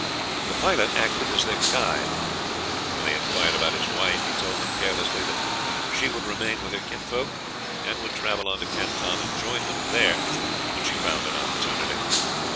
The pilot acted as their guide. When they inquired about his wife, he told them carelessly that she would remain with her kinsfolk, and would travel on to Canton and join him there when she found an opportunity.